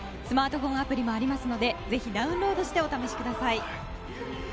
スマートフォンアプリもありますのでぜひダウンロードしてお試しください。